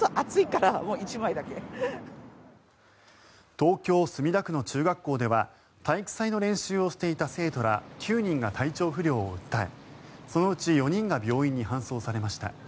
東京・墨田区の中学校では体育祭の練習をしていた生徒ら９人が体調不良を訴え、そのうち４人が病院に搬送されました。